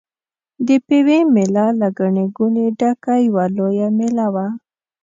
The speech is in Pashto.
د پېوې مېله له ګڼې ګوڼې ډکه یوه لویه مېله وه.